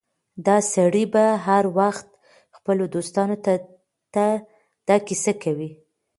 دا سړی به هر وخت خپلو دوستانو ته دا کيسه کوي.